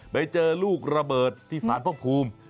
ไปเจอลูกระเบิดที่สารพระภูมิ